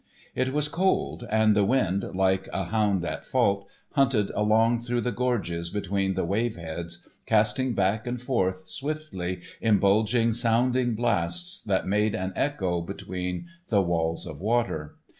It was cold, and the wind, like a hound at fault, hunted along through the gorges between the wave heads, casting back and forth swiftly in bulging, sounding blasts that made an echo between the walls of water.